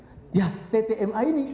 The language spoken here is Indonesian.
ini jadi kalau orang menemukan